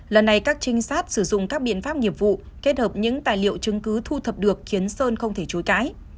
lần này các trinh sát sử dụng các biện pháp nghiệp vụ kết hợp những tài liệu chứng cứ thu thập được khiến sơn không thể chối cãi